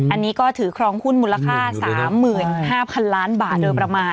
อันนี้ก็ถือครองหุ้นมูลค่า๓๕๐๐๐ล้านบาทโดยประมาณ